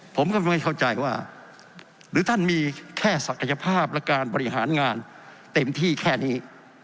ผมก็ไม่เข้าใจว่าหรือท่านมีแค่ศักยภาพและการบริหารงานเต็มที่แค่นี้